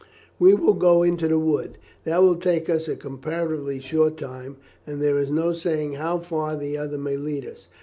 "We will go into the wood; that will take us a comparatively short time, and there is no saying how far the other may lead us.